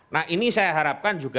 nah ini saya harapkan juga